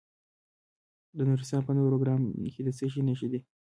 د نورستان په نورګرام کې د څه شي نښې دي؟